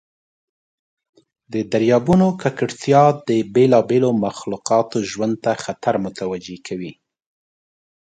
د دریابونو ککړتیا د بیلابیلو مخلوقاتو ژوند ته خطر متوجه کوي.